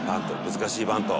難しいバント。